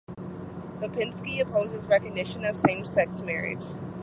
Lipinski opposes recognition of same-sex marriage.